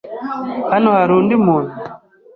Hano hari undi muntu?